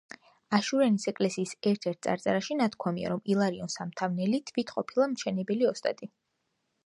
აშურიანის ეკლესიის ერთ-ერთ წარწერაში ნათქვამია, რომ ილარიონ სამთავნელი თვით ყოფილა მშენებელი ოსტატი.